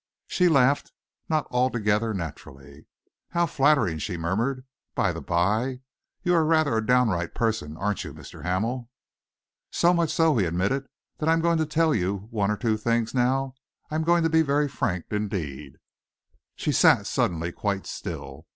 She laughed, not altogether naturally. "How flattering!" she murmured. "By the by, you are rather a downright person, aren't you, Mr. Hamel?" "So much so," he admitted, "that I am going to tell you one or two things now. I am going to be very frank indeed." She sat suddenly quite still.